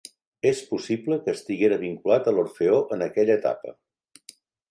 És possible que estiguera vinculat a l'Orfeó en aquella etapa.